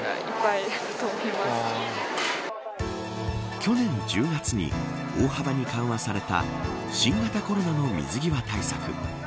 去年１０月に大幅に緩和された新型コロナの水際対策。